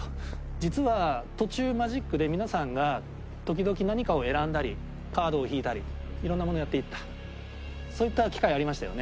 実は途中マジックで皆さんが時々何かを選んだりカードを引いたりいろんなものやっていったそういった機会ありましたよね？